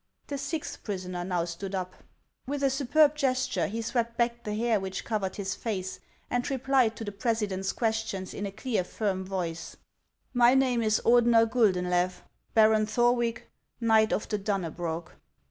The sixth prisoner now stood up. With a superb ges ture he swept back the hair which covered his face, and replied to the president's questions in a clear, firm voice :" My name is Ordener Guldeulew, Baron Thorwick, Knight of the Dunnebrog."